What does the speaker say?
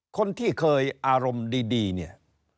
คนที่เคยอารมณ์ดีเนี่ย